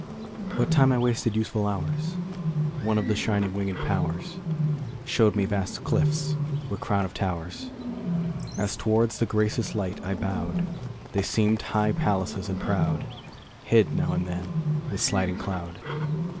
] What time I wasted youthful hours One of the shining wingèd powers, Show'd me vast cliffs with crown of towers, As towards the gracious light I bow'd, They seem'd high palaces and proud, Hid now and then with sliding cloud.